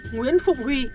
nguyễn phụng huy